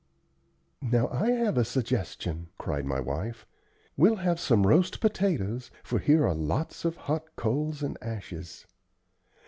"Now I have a suggestion," cried my wife. "We'll have some roast potatoes, for here are lots of hot coals and ashes."